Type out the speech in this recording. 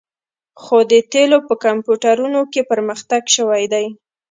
خو د تیلو په کمپیوټرونو کې پرمختګ شوی دی